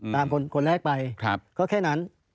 คนแรกไปก็แค่นั้น